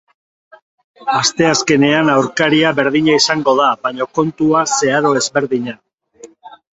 Asteazkenean aurkaria berdina izango da, baina kontua zeharo ezberdina.